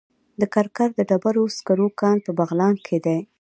د کرکر د ډبرو سکرو کان په بغلان کې دی